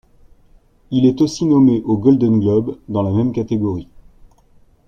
Il est aussi nommé au Golden Globe dans la même catégorie.